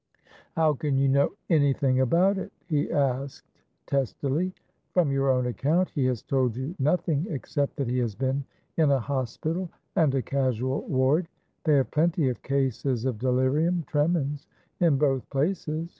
"How can you know anything about it?" he asked, testily; "from your own account he has told you nothing except that he has been in a hospital and a casual ward they have plenty of cases of delirium tremens in both places.